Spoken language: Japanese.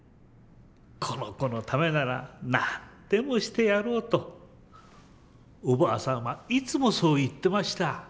「この子のためなら何でもしてやろう」とおばあさんはいつもそう言ってました。